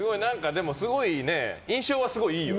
でも、すごい印象はすごいいいよね。